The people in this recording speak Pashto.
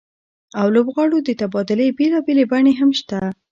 او لوبغاړو د تبادلې بېلابېلې بڼې هم شته